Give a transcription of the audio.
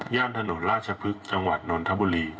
ย่านถนนราชพฤกษ์จังหวัดนนทบุรี